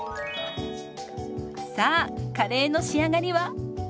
さあカレーの仕上がりは？